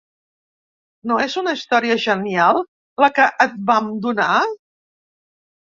No és una història genial, la que et vam donar?